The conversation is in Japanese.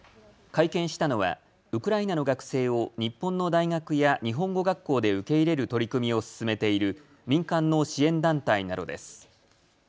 会見したのはウクライナの学生を日本の大学や日本語学校で受け入れる取り組みを進めている民間の支援団体などです。